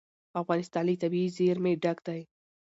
افغانستان له طبیعي زیرمې ډک دی.